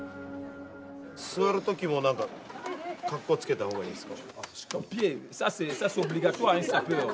座る時も何か格好つけた方がいいですか？